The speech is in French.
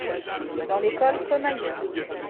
dans l'école comme ailleurs.